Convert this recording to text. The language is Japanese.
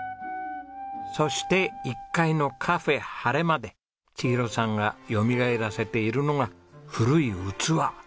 そして１階のカフェはれまで千尋さんがよみがえらせているのが古い器。